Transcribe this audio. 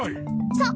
そう。